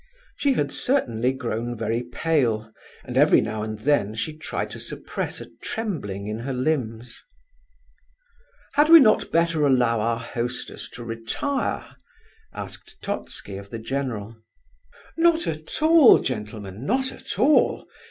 She certainly had grown very pale, and every now and then she tried to suppress a trembling in her limbs. "Had we not better allow our hostess to retire?" asked Totski of the general. "Not at all, gentlemen, not at all!